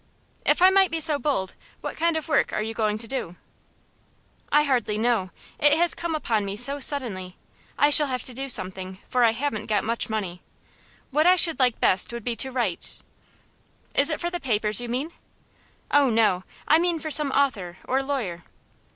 "If I might be so bold, what kind of work are you going to do?" "I hardly know. It has come upon me so suddenly. I shall have to do something, for I haven't got much money. What I should like best would be to write " "Is it for the papers you mean?" "Oh, no; I mean for some author or lawyer."